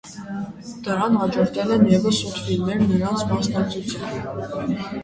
Դրան հաջորդել են ևս ութ ֆիլմեր նրանց մասնակցությամբ։